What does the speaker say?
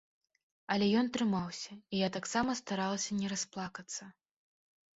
Але ён трымаўся, і я таксама старалася не расплакацца.